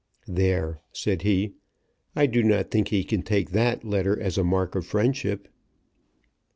"There," said he; "I do not think he can take that letter as a mark of friendship."